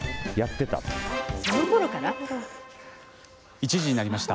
１時になりました。